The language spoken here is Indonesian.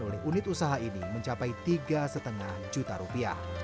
oleh unit usaha ini mencapai rp tiga lima ratus